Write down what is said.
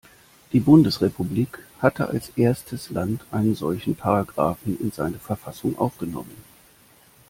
Die Bundesrepublik hatte als erstes Land einen solchen Paragraphen in seine Verfassung aufgenommen.